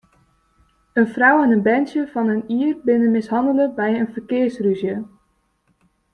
In frou en in berntsje fan in jier binne mishannele by in ferkearsrûzje.